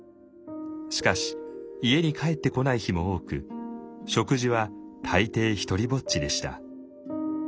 しかし家に帰ってこない日も多く食事は大抵独りぼっちでした。